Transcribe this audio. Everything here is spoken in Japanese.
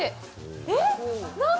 えっ？